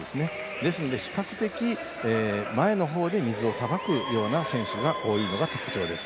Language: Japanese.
ですので、比較的前のほうで水をさばくような選手が多いのが特徴です。